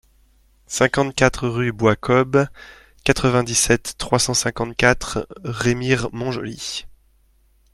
cinquante-quatre rue Bois Kobe, quatre-vingt-dix-sept, trois cent cinquante-quatre, Remire-Montjoly